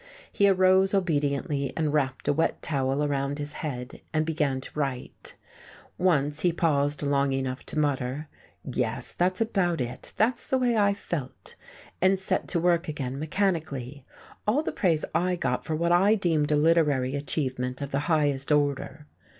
He arose obediently and wrapped a wet towel around his head, and began to write. Once he paused long enough to mutter: "Yes, that's about it, that's the way I felt!" and set to work again, mechanically, all the praise I got for what I deemed a literary achievement of the highest order!